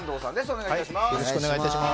お願いいたします。